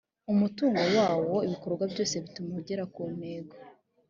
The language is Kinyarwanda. umutungo wawo ibikorwa byose bituma ugera ku ntego